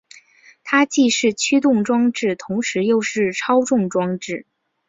它既是驱动装置同时又是操纵装置。